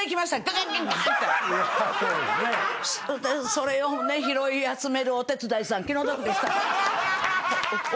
それを拾い集めるお手伝いさん気の毒でした。